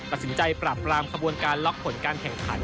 ตัดสินใจปราบปรามขบวนการล็อกผลการแข่งขัน